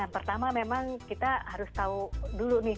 pertama memang kita harus tahu dulu nih